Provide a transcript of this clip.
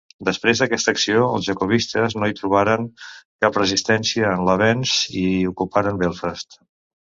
Després d'aquesta acció els Jacobites no hi trobaren cap resistència en l'avenç i ocuparen Belfast.